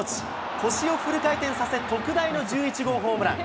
腰をフル回転させ、特大の１１号ホームラン。